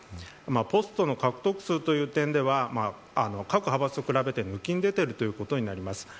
ポストの獲得数という点では過去、派閥と比べて抜きん出ているということになります。